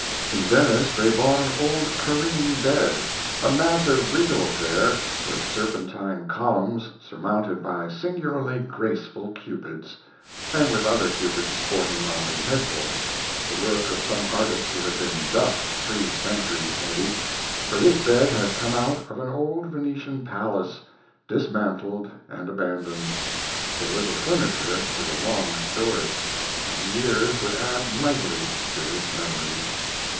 In Venice they bought an old careen bed, a massive regal affair with serpentine columns surmounted by singularly graceful cupids, and with other cupids sporting on the headboard: the work of some artist who had been dust three centuries maybe, for this bed had come out of an old Venetian palace, dismantled and abandoned. It was a furniture with a long story, and the years would add mightily to its memories.